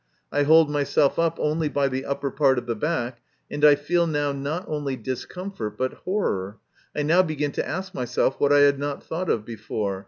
I hold myself up only by the upper part of the back, and I feel now not only discomfort, but horror. I now begin to ask myself what I had not thought of before.